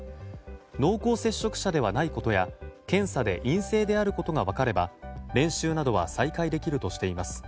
濃厚接触者ではないことや検査で陰性であることが分かれば練習などは再開できるとしています。